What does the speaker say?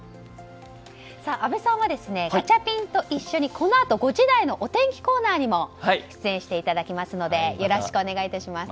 阿部さんはガチャピンと一緒にこのあと５時台のお天気コーナーにも出演していただきますのでよろしくお願い致します。